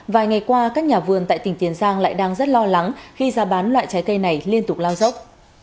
vài ngày qua các nhà vườn tại tỉnh tiền giang lại đang rất lo lắng khi ra bán loại trái cây này liên tục lao dốc